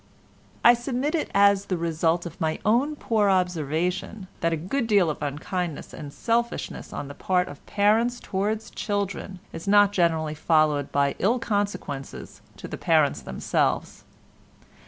I submit it as the result of my own poor observation, that a good deal of unkindness and selfishness on the part of parents towards children is not generally followed by ill consequences to the parents themselves.